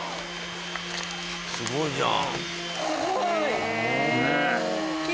すごいじゃん。